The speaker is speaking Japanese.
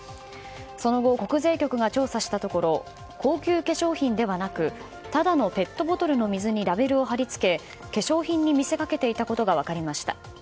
その後、国税局が調査したところ高級化粧品ではなくただのペットボトルの水にラベルを貼り付け化粧品に見せかけていたことが分かりました。